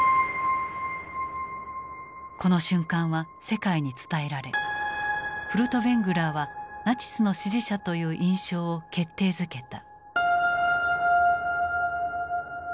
この瞬間は世界に伝えられフルトヴェングラーはナチスの支持者という印象を決定づけた。